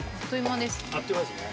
あっという間ですね。